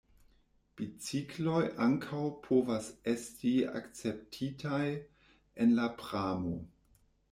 Bicikloj ankaŭ povas esti akceptitaj en la pramo.